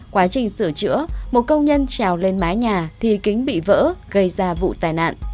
quá trình sửa chữa một công nhân trào lên mái nhà thì kính bị vỡ gây ra vụ tai nạn